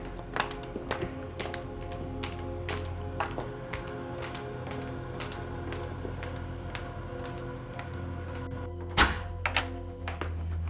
duduk bukan keputusan